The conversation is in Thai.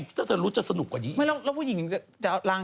กระเทยเก่งกว่าเออแสดงความเป็นเจ้าข้าว